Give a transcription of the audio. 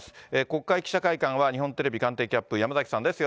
国会記者会館は日本テレビ官邸キャップ、山崎さんです。